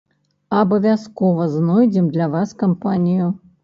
Абавязкова знойдзем для вас кампанію!